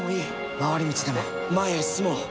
回り道でも前へ進もう。